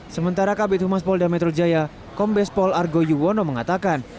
sementara kabit humas polda metro jaya kombes pol argo yuwono mengatakan